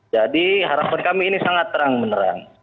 jadi harapan kami ini sangat terang menerang